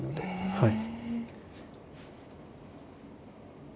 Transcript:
はい。